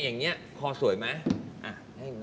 เนี่ยโครสวยมั้ย